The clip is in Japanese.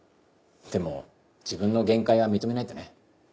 でも自分の限界は認めないとね。